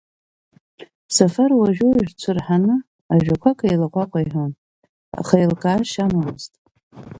Сафар уажәы-уажәы дцәырҳаны, ажәақәак еилаҟәаҟәа иҳәон, аха еилкаашьа амамызт.